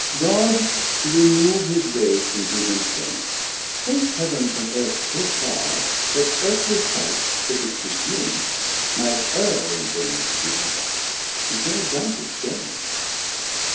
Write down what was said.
God to remove his wayes from human sense, Plac'd Heav'n from Earth so farr, that earthly sight, 120 If it presume, might erre in things too high, And no advantage gaine.